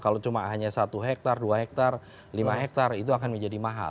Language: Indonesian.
kalau cuma hanya satu hektar dua hektar lima hektare itu akan menjadi mahal